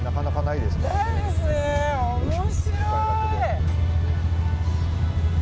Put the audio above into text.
面白い。